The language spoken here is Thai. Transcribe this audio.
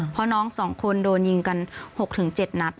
เพราะน้อง๒คนโดนยิงกัน๖๗นัด